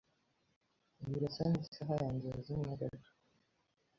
Birasa nisaha yanjye yazimye gato.